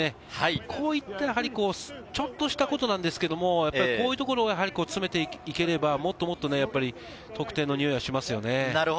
こういったちょっとしたことなんですけど、こういったところを詰めていければ、もっともっと得点のにおいがしますね。